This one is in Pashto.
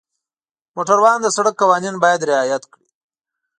موټروان د سړک قوانین باید رعایت کړي.